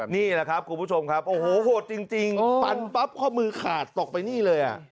นี่แหละครับคุณผู้ชมครับโอ้โหโหดจริงฟันปั๊บข้อมือขาดตกไปนี่เลย